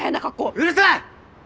うるさい！